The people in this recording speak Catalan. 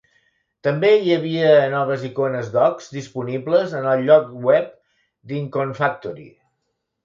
També hi havia noves icones/docks disponibles en el lloc web d'Iconfactory.